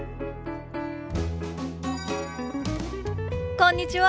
こんにちは。